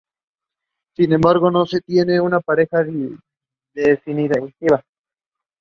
Sin embargo no se tiene una pareja definitiva.